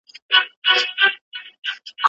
لښتې ته پکار ده چې په اور باندې پام وکړي.